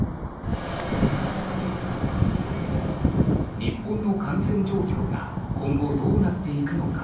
日本の感染状況が今後どうなっていくのか。